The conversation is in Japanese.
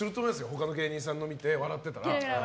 他の芸人さんのを見て笑ってたら。